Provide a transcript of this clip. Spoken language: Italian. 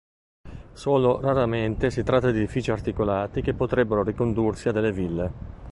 Solo raramente si tratta di edifici articolati che potrebbero ricondursi a delle ville.